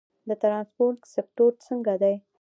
د ترانسپورت سکتور څنګه دی؟